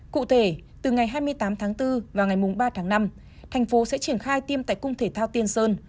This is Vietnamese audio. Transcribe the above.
cụ thể từ ngày hai mươi tám tháng bốn và ngày ba tháng năm thành phố sẽ triển khai tiêm tại cung thể thao tiên sơn